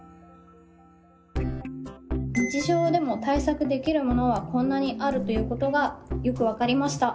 日常でも対策できるものはこんなにあるということがよく分かりました。